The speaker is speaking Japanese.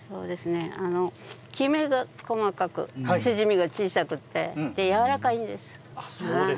きめが細かくて縮みが小さくてやわらかいんです。